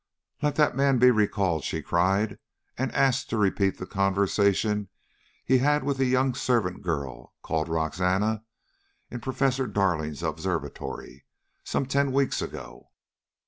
"Let that man be recalled," she cried, "and asked to repeat the conversation he had with a young servant girl called Roxana, in Professor Darling's observatory some ten weeks ago."